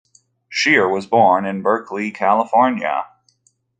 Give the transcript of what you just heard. Scheer was born in Berkeley, California.